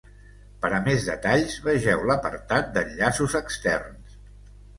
Per a més detalls, vegeu l'apartat d'enllaços externs.